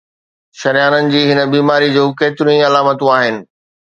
شريانن جي هن بيماريءَ جون ڪيتريون ئي علامتون آهن